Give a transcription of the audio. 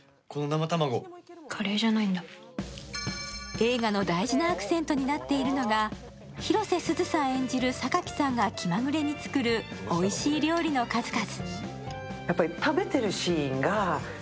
映画の大事なアクセントになっているのが、広瀬すずさん演じる榊さんが気まぐれに作るおいしい料理の数々。